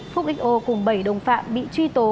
phúc xo cùng bảy đồng phạm bị truy tố